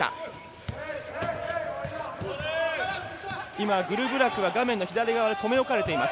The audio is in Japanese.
今、グルブラクが画面の左側に留め置かれています。